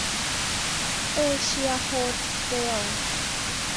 เอเชียโฮเต็ล